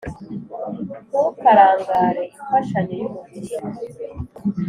ntukarangarane imfashanyo y’umutindi